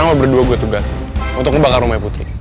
sekarang berdua gue tugas untuk membakar rumah putri